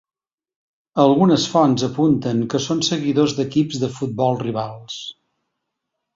Algunes fonts apunten que són seguidors d’equips de futbol rivals.